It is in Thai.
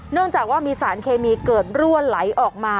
เนื่องจากว่ามีสารเคมีเกิดรั่วไหลออกมา